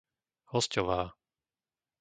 Hosťová